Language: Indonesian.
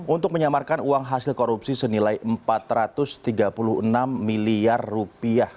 untuk menyamarkan uang hasil korupsi senilai empat ratus tiga puluh enam miliar rupiah